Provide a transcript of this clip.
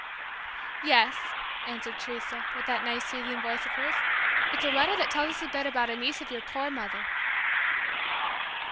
"Yes," answered Teresa, with that soothing voice of hers. "It's a letter that tells us a bit about a niece of your poor mother."